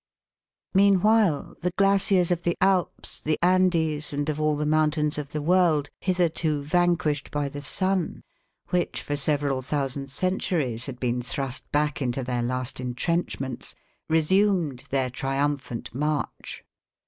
Meanwhile, the glaciers of the Alps, the Andes, and of all the mountains of the world hitherto vanquished by the sun, which for several thousand centuries had been thrust back into their last entrenchments, resumed their triumphant march.